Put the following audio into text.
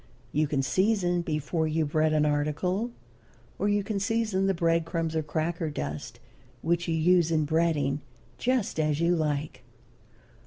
You can season before you bread an article, or you can season the bread crumbs or cracker dust which you use in breading, just as you like.